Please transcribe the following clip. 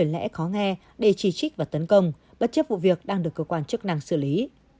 dùng những lời lẽ khó nghe để chỉ trích và tấn công bất chấp vụ việc đang được cơ quan chức năng xử lý